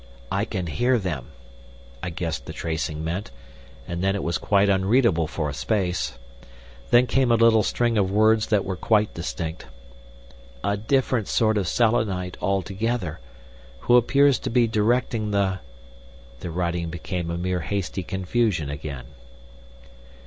"I can hear them," I guessed the tracing meant, and then it was quite unreadable for a space. Then came a little string of words that were quite distinct: "a different sort of Selenite altogether, who appears to be directing the—" The writing became a mere hasty confusion again.